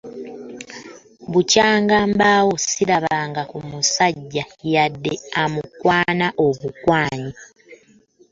Bukyanga mbawo sirabanga ku musajja yadde amukwana obukwanyi.